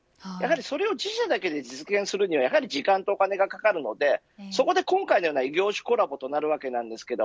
それを自社だけで実現するのは時間もお金もかかるのでそこで今回の様な異業種コラボとなるわけです。